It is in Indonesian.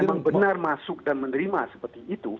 memang benar masuk dan menerima seperti itu